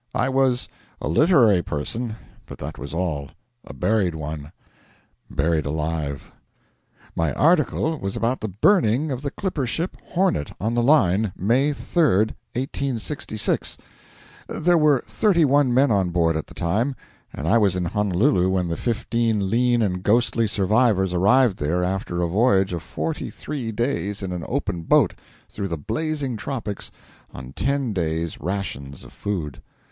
I was a Literary Person, but that was all a buried one; buried alive. My article was about the burning of the clipper ship 'Hornet' on the line, May 3, 1866. There were thirty one men on board at the time, and I was in Honolulu when the fifteen lean and ghostly survivors arrived there after a voyage of forty three days in an open boat, through the blazing tropics, on ten days' rations of food.